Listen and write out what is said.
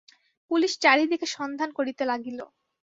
Police চারি দিকে সন্ধান করিতে লাগিল।